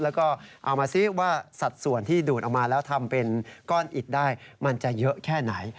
แล้วก็เอามาซิว่าสัดส่วนที่ดูดออกมาแล้วทำเป็นก้อนอิดได้มันจะเยอะแค่ไหน